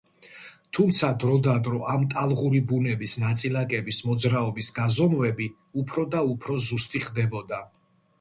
თუმცა, დროდადრო ამ ტალღური ბუნების ნაწილაკების მოძრაობის გაზომვები უფრო და უფრო ზუსტი ხდებოდა.